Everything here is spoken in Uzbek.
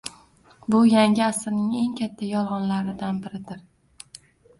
Bu yangi asrning eng katta yolg'onlaridan biridir